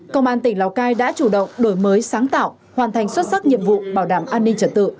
công an tỉnh lào cai đã chủ động đổi mới sáng tạo hoàn thành xuất sắc nhiệm vụ bảo đảm an ninh trật tự